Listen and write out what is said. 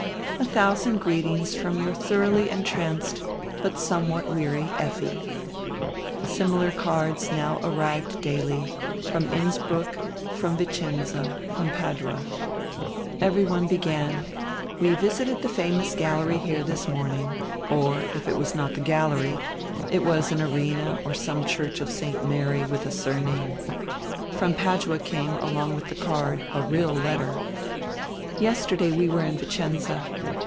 A thousand greetings from your thoroughly entranced, but somewhat weary Effi." Similar cards now arrived daily, from Innsbruck, from Vicenza, from Padua. Every one began: "We visited die famous gallery here this morning," or, if it was not die gallery, it was an arena or some church of "St. Mar} 7 " widi a surname. From Padua came, along widi die card, a real letter. "Yesterday we were in Vicenza.